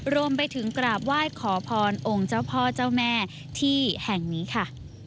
รวมไปถึงกราบไหว้ขอพรองค์เจ้าพ่อเจ้าแม่ที่แห่งนี้ค่ะ